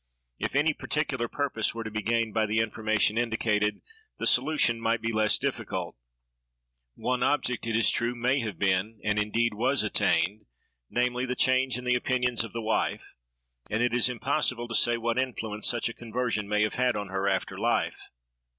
If any particular purpose were to be gained by the information indicated, the solution might be less difficult. One object, it is true, may have been, and indeed was attained, namely, the change in the opinions of the wife; and it is impossible to say what influence such a conversion may have had on her after life.